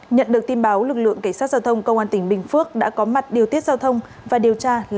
nhận được tin báo lực lượng cảnh sát giao thông công an tỉnh bình phước đã có mặt điều tiết giao thông và điều tra làm rõ nguyên nhân